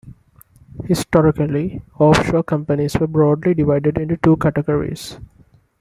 Historically, offshore companies were broadly divided into two categories.